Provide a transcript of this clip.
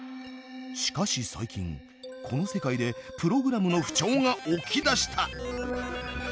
しかし最近この世界でプログラムの不調が起きだした！